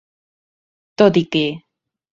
Tot i que.